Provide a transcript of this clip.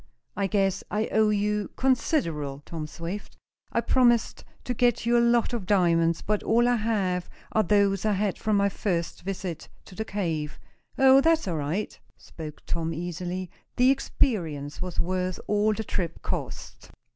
"I guess I owe you considerable, Tom Swift. I promised to get you a lot of diamonds, but all I have are those I had from my first visit to the cave." "Oh, that's all right," spoke Tom, easily. "The experience was worth all the trip cost."